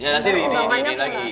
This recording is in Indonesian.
ya nanti di init lagi